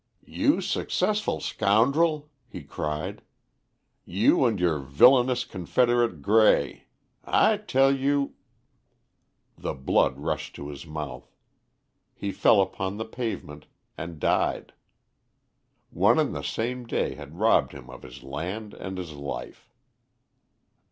"You successful scoundrel!" he cried. "You and your villainous confederate Grey. I tell you " The blood rushed to his mouth; he fell upon the pavement and died. One and the same day had robbed him of his land and his life.